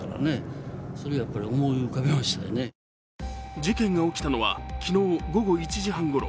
事件が起きたのは昨日午後１時半ごろ。